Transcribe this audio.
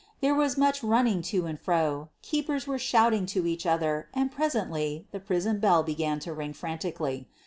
There was much running to and fro, keep ers were shouting to each other and presently the prison bell began to ring frantically.